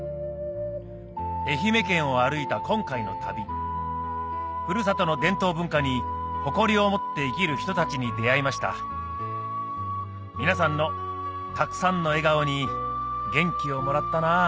愛媛県を歩いた今回の旅ふるさとの伝統文化に誇りを持って生きる人たちに出会いました皆さんのたくさんの笑顔に元気をもらったなぁ